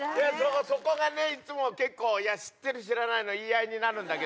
そこがねいつも結構知ってる知らないの言い合いになるんだけど。